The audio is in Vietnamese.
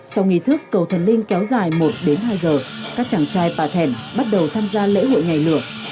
sau nghi thức cầu thần linh kéo dài một đến hai giờ các chàng trai bà thèn bắt đầu tham gia lễ hội nhảy lửa